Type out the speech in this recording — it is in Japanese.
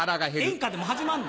演歌でも始まんの？